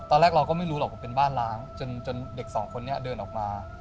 ตอนแรกเราก็ไม่รู้หรอกว่าเป็นบ้านล้างจนเด็กสองคนนี้เดินออกมา